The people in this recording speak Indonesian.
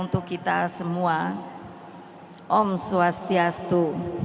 untuk kita semua om swastiastu